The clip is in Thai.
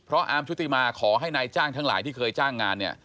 เพราะอาร์มชุติมาขอให้นายจ้างทั้งหลายที่เคยจ้างงานเนี่ย